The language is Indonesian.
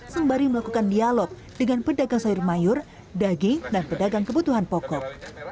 sembari melakukan dialog dengan pedagang sayur mayur daging dan pedagang kebutuhan pokok